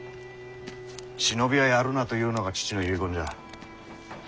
忍びはやるなというのが父の遺言じゃ。